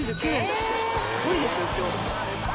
すごいですよ今日。